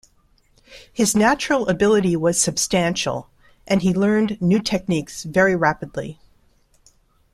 His natural ability was substantial, and he learned new techniques very rapidly.